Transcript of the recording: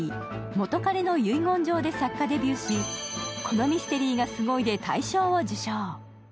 「元彼の遺言状」で作家デビューし、「このミステリーがすごい！」で大賞を受賞。